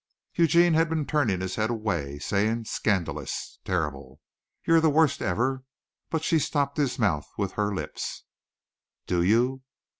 Eugene had been turning his head away, saying "scandalous! terrible, you're the worst ever," but she stopped his mouth with her lips. "Do you?"